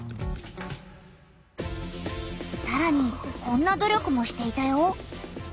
さらにこんな努力もしていたよ。